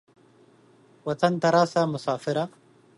وطن ته راسه مسافره.